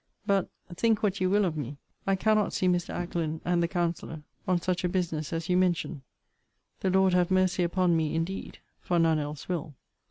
But (think what you will of me) I cannot see Mr. Ackland and the counselor on such a business as you mention. The Lord have mercy upon me indeed! for none else will.